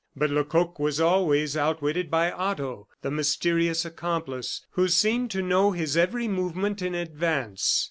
But Lecoq was always outwitted by Otto, the mysterious accomplice, who seemed to know his every movement in advance.